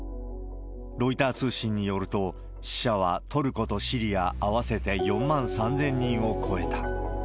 ロイター通信によると、死者はトルコとシリア合わせて４万３０００人を超えた。